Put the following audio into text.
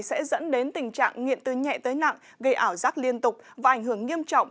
sẽ dẫn đến tình trạng nghiện từ nhẹ tới nặng gây ảo giác liên tục và ảnh hưởng nghiêm trọng